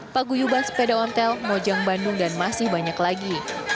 paguyuban sepeda ontel mojang bandung dan masih banyak lagi